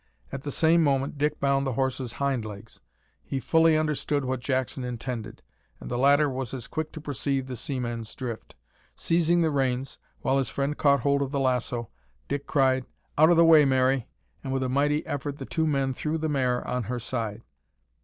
At the same moment Dick bound the horse's hind legs. He fully understood what Jackson intended, and the latter was as quick to perceive the seaman's drift. Seizing the reins, while his friend caught hold of the lasso, Dick cried, "Out o' the way, Mary!" and with a mighty effort the two men threw the mare on her side.